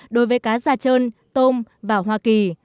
đối với cá da trơn tôm và hoa kỳ